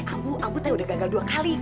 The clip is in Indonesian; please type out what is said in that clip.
amu amu teh udah gagal dua kali